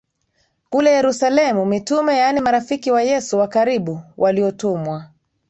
kule Yerusalemu Mitume yaani marafiki wa Yesu wa karibu waliotumwa